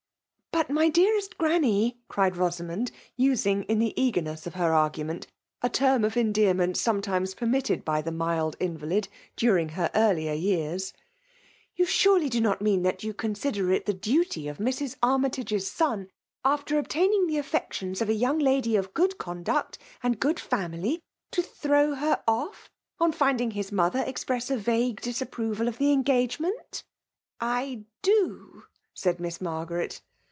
" But, my dearest granny," cried Bosamond, using, in the eagerness of her argument, a term of endearment sometimes permitted hy the mild invalid during her earlier years; " you surely do not mean that you consider it the duty of Mrs. Armytage's son, after obtain ing the affections of a young lady of good conduct and good family, to throw her off on finding his mother express a vague disapproval of the engagement ?''" I do r said Miss Margaret.